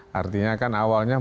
berdamai dengan bencana